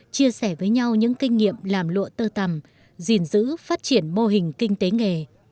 chia sẻ với nhau những kinh nghiệm làm lụa tơ tầm gìn giữ phát triển mô hình kinh tế nghề